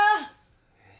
えっ？